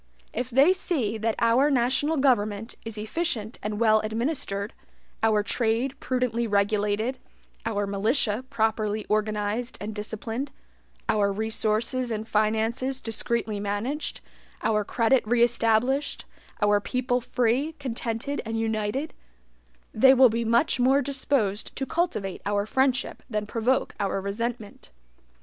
If they see that our national government is efficient and well administered, our trade prudently regulated, our militia properly organized and disciplined, our resources and finances discreetly managed, our credit re established, our people free, contented, and united, they will be much more disposed to cultivate our friendship than provoke our resentment.